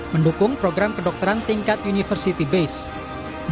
mendukung program kedokteran tingkat university base